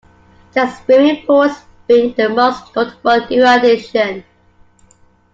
The swimming pools being the most notable new addition.